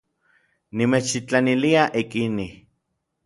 Nimechtitlanilia ik inij.